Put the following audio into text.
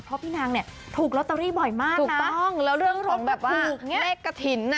เพราะพี่นางเนี่ยถูกลอตเตอรี่บ่อยมากถูกต้องแล้วเรื่องของแบบถูกเลขกระถิ่นอ่ะ